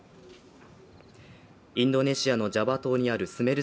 インドネシアのジャワ島にあるスメル